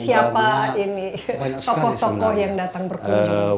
siapa ini tokoh tokoh yang datang berkunjung